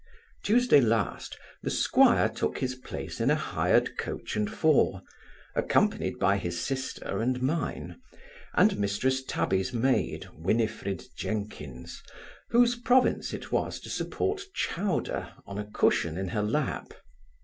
Tuesday last the 'squire took his place in a hired coach and four, accompanied by his sister and mine, and Mrs Tabby's maid, Winifrid Jenkins, whose province it was to support Chowder on a cushion in her lap.